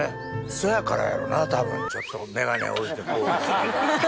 そやからやろな多分ちょっとメガネ置いて。